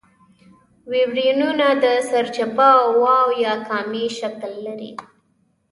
ویبریونونه د سرچپه واو یا کامي شکل لري.